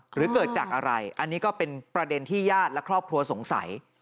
หรือเกิดจากอะไรอันนี้ก็เป็นประเด็นที่ญาติและครอบครัวสงสัย